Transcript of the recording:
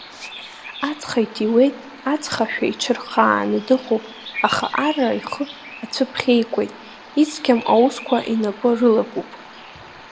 Ацха иҭиуеит, ацхашәа иҽырхааны дыҟоуп, аха арра ихы ацәыԥхьеикуеит, ицқьам аусқәа инапы рылакуп.